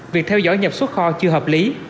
việc theo dõi nhập xuất kho chưa hợp lý